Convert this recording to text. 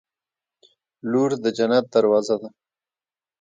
• لور د جنت دروازه ده.